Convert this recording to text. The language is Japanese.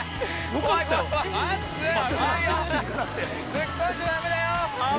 ◆突っ込んじゃだめだよ。